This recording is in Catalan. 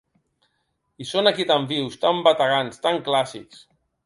I són aquí tan vius, tan bategants, tan clàssics!